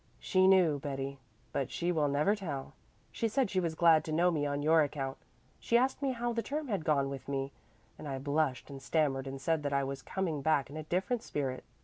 She knew, Betty, but she will never tell. She said she was glad to know me on your account. She asked me how the term had gone with me, and I blushed and stammered and said that I was coming back in a different spirit.